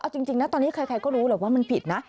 เอาจริงนะตอนนี้ใครก็รู้แหละว่ามันผิดนะ